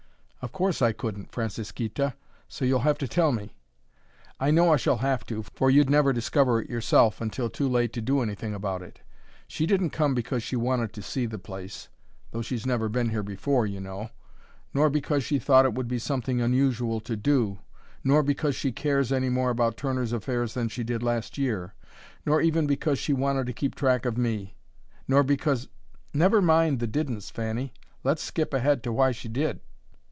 "Of course I couldn't, Francisquita. So you'll have to tell me." "I know I shall have to, for you'd never discover it yourself, until too late to do anything about it. She didn't come because she wanted to see the place, though she's never been here before, you know, nor because she thought it would be something unusual to do, nor because she cares any more about Turner's affairs than she did last year, nor even because she wanted to keep track of me, nor because " "Never mind the didn'ts, Fanny! Let's skip ahead to why she did."